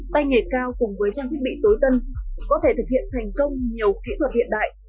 tay nghề cao cùng với trang thiết bị tối tân có thể thực hiện thành công nhiều kỹ thuật hiện đại